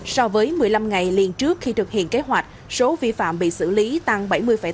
so với một mươi năm ngày liên trước khi thực hiện kế hoạch số vi phạm bị xử lý tăng bảy mươi tám